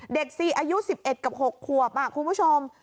เด็ก๔อายุ๑๑กับ๖ควบอ่ะคุณผู้ชม